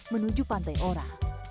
menuju pantai ora